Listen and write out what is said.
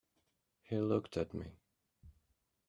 He looked at me.